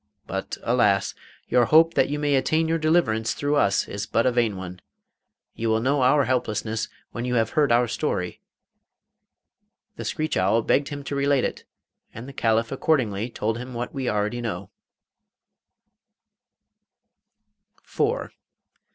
But, alas! your hope that you may attain your deliverance through us is but a vain one. You will know our helplessness when you have heard our story.' The screech owl begged him to relate it, and the Caliph accordingly told him what we already know.